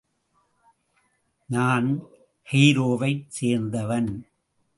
நான் கெய்ரோவைச் சேர்ந்தவன்.